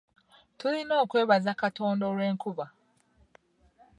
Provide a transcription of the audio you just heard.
Tulina okwebaza Katonda olw'enkuba .